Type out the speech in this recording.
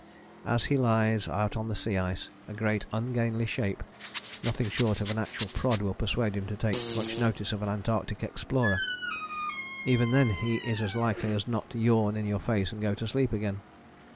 As he lies out on the sea ice, a great ungainly shape, nothing short of an actual prod will persuade him to take much notice of an Antarctic explorer. Even then he is as likely as not to yawn in your face and go to sleep again.